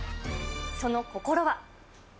その心は。